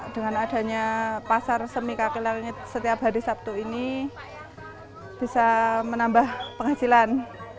dengan adanya pasar semi kaki langit setiap hari sabtu ini bisa menambah penghasilan